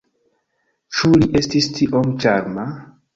Ĉu li estis tiom ĉarma?